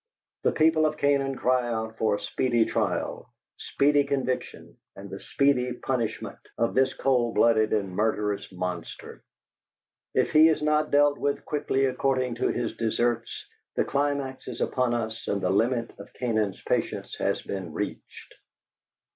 The people of Canaan cry out for a speedy trial, speedy conviction, and speedy punishment of this cold blooded and murderous monster. If he is not dealt with quickly according to his deserts, the climax is upon us and the limit of Canaan's patience has been reached.